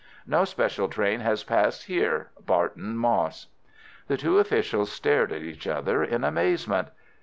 "No special train has passed here.—Barton Moss." The two officials stared at each other in amazement.